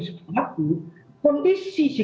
sepuluh kondisi si